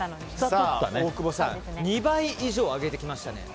大久保さん２倍以上上げてきましたね。